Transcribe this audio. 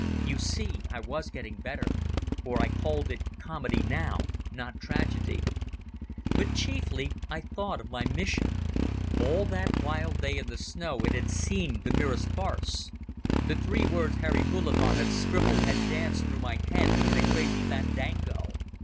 You see I was getting better, for I called it comedy now, not tragedy. But chiefly I thought of my mission. All that wild day in the snow it had seemed the merest farce. The three words Harry Bullivant had scribbled had danced through my head in a crazy fandango.